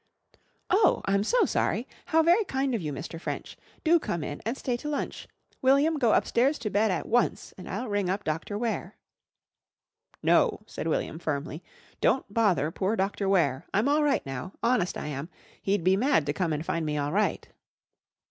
"Oh, I'm so sorry! How very kind of you, Mr. French. Do come in and stay to lunch. William, go upstairs to bed at once and I'll ring up Dr. Ware." "No," said William firmly. "Don't bother poor Dr. Ware. I'm all right now. Honest I am. He'd be mad to come and find me all right."